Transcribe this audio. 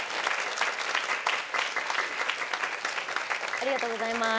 ありがとうございます。